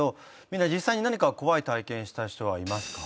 みんな実際に何か怖い体験した人はいますか？